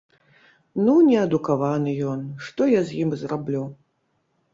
Ну, неадукаваны ён, што я з ім зраблю?